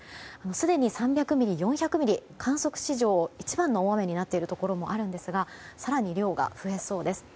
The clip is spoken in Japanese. すでに３００ミリ、４００ミリ観測史上一番の大雨になっているところもあるんですが更に量が増えそうです。